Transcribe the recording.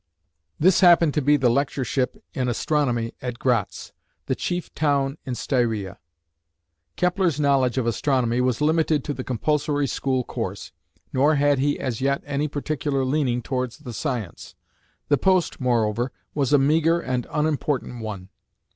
This happened to be the lectureship in astronomy at Gratz, the chief town in Styria. Kepler's knowledge of astronomy was limited to the compulsory school course, nor had he as yet any particular leaning towards the science; the post, moreover, was a meagre and unimportant one.